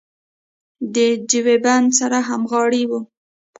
د دیوبند سره همغاړې وه.